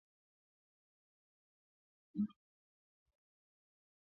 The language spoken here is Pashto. د افغانستان د اقتصادي پرمختګ لپاره پکار ده چې څلورلارې جوړې شي.